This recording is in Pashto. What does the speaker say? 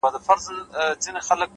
د تورو سترگو وه سورخۍ ته مي،